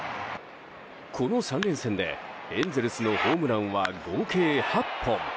この３連戦でエンゼルスのホームランは合計８本。